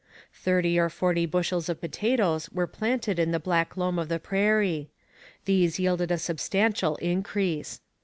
Thirty or forty bushels of potatoes were planted in the black loam of the prairie. These yielded a substantial increase.